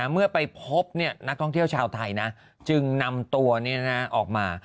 เมื่อไปพบนักท่องเที่ยวชาวไทยนะจึงนำตัวออกมา